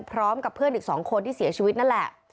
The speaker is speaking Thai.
พร้อมกับเพื่อนอีก๒คนที่เสียชีวิตนั่นแหละ